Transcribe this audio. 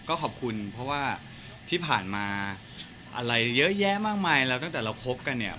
ก็ขอบคุณเพราะว่าที่ผ่านมาอะไรเยอะแยะมากมายแล้วตั้งแต่เราคบกันเนี่ย